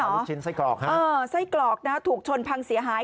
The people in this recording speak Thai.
ลูกชิ้นไส้กรอกฮะเออไส้กรอกนะฮะถูกชนพังเสียหาย